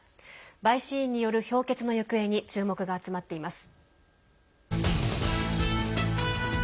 陪審員による評決の行方に注目が集まっています。